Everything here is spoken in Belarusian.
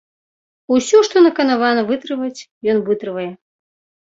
Усё, што наканавана вытрываць, ён вытрывае.